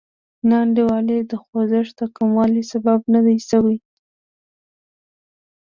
ناانډولي د خوځښت د کموالي سبب نه ده شوې.